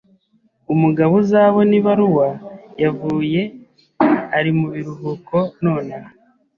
Umugabo uzabona ibaruwa yavuye ari mubiruhuko nonaha.